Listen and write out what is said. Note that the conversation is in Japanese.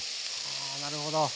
あなるほど。